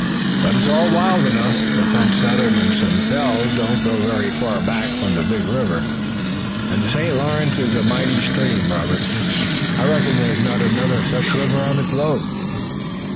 But it's all wild enough. The French settlements themselves don't go very far back from the big river. And the St. Lawrence is a mighty stream, Robert. I reckon there's not another such river on the globe.